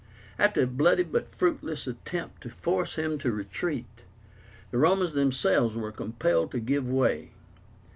After a bloody but fruitless attempt to force him to retreat, the Romans themselves were compelled to give way.